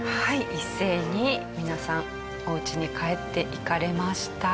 一斉に皆さんおうちに帰って行かれました。